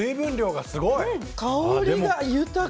香りが豊か！